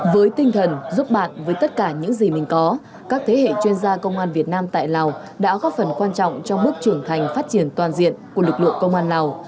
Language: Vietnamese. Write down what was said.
với tinh thần giúp bạn với tất cả những gì mình có các thế hệ chuyên gia công an việt nam tại lào đã góp phần quan trọng trong bước trưởng thành phát triển toàn diện của lực lượng công an lào